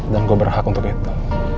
dan gue berhak untuk itu